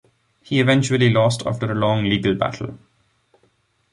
He eventually lost after a long legal battle.